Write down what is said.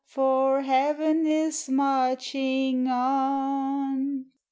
For Heaven is marching on.